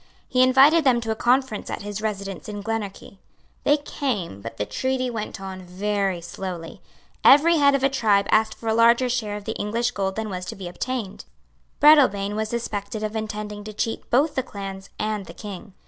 He invited them to a conference at his residence in Glenorchy. They came; but the treaty went on very slowly. Every head of a tribe asked for a larger share of the English gold than was to be obtained. Breadalbane was suspected of intending to cheat both the clans and the King.